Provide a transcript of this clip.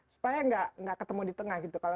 supaya nggak ketemu di tengah gitu